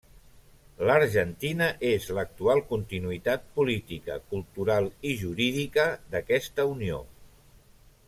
L'Argentina és l'actual continuïtat política, cultural i jurídica d'aquesta unió.